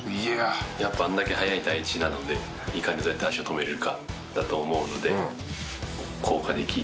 やっぱあんだけ速い第一なのでいかにどうやって足を止めれるかだと思うので。